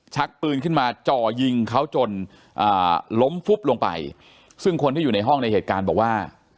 ปืนขึ้นมาจ่อยิงเขาจนล้มฟุบลงไปซึ่งคนที่อยู่ในห้องในเหตุการณ์บอกว่า